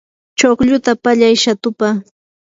chuqluta pallay shatupaq.